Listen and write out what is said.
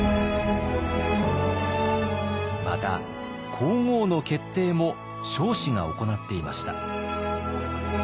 また皇后の決定も彰子が行っていました。